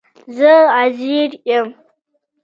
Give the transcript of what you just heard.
زه عزير يم